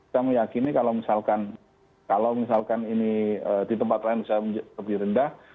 saya meyakini kalau misalkan ini di tempat lain bisa lebih rendah